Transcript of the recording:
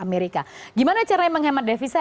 amerika gimana caranya menghemat devisa